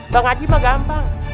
bang haji mah gampang